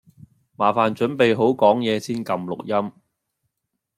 麻煩準備好講嘢先㩒錄音